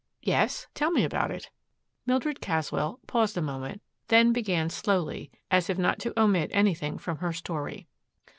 "Yes? Tell me about it." Mildred Caswell paused a moment, then began slowly, as if not to omit anything from her story.